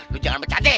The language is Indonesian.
lo jangan becah deh